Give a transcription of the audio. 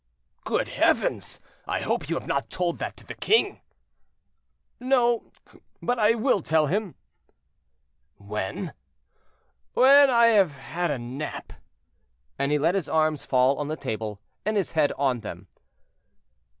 "Good heavens! I hope you have not told that to the king." "No; but I will tell him." "When?" "When I have had a nap." And he let his arms fall on the table, and his head on them.